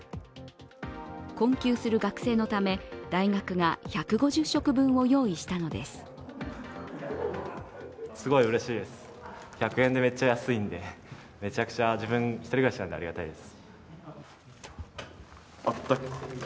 困窮する学生のため大学が１５０食分を用意したのです。